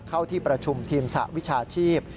เข้าที่ประชุมทีมสหวิชาชีพ